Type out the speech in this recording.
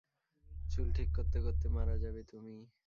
চুল ঠিক করতে করতে মারা যাবে তুমি।